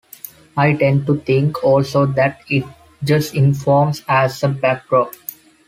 I tend to think also that it just informs as a backdrop.